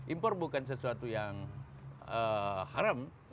impor bukan sesuatu yang haram